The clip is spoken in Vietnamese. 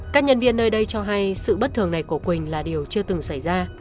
các nhân viên nơi đây cho hay sự bất thường này của quỳnh là điều chưa từng xảy ra